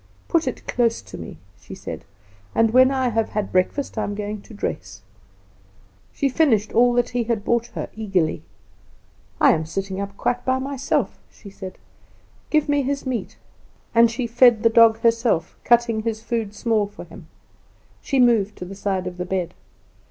"Put it close to me," she said, "and when I have had breakfast I am going to dress." She finished all he had brought her eagerly. "I am sitting up quite by myself," she said. "Give me his meat;" and she fed the dog herself, cutting his food small for him. She moved to the side of the bed.